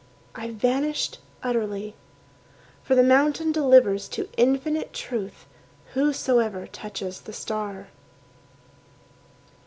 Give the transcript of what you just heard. I vanished utterly. For the mountain delivers to Infinite Truth Whosoever touches the star.